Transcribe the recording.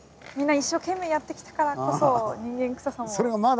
みんな一生懸命やってきたからこそ人間くささも。